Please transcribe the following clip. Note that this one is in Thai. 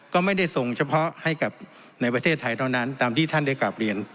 ก็ไม่ได้ส่งเฉพาะให้กับแรงไทยเท่านั้นตามทีท่านกลับเรียน